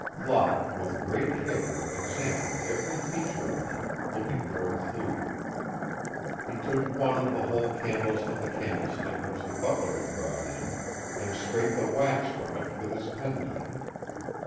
Locke with great care examined every feature of them, looking for a clue. He took one of the whole candles from the candlestick which the butler had brought in and scraped the wax from in with his penknife.